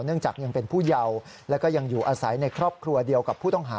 จากยังเป็นผู้เยาแล้วก็ยังอยู่อาศัยในครอบครัวเดียวกับผู้ต้องหา